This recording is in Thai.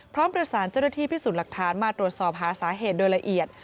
พร้อมประสานเจ้าหน้าที่พิสูจน์หลักฐานมาตรวจสอบหาสาเหตุโดยละเอียด